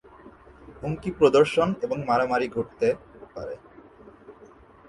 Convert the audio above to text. হুমকি প্রদর্শন এবং মারামারি ঘটতে পারে।